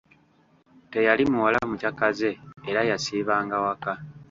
Teyali muwala mucakaze era yasiibanga waka.